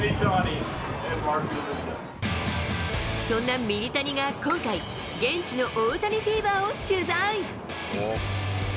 そんなミニタニが今回、現地の大谷フィーバーを取材。